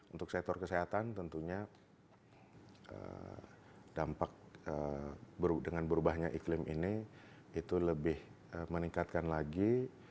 untuk sektor kesehatan tentunya dampak dengan berubahnya iklim ini itu lebih meningkatkan lagi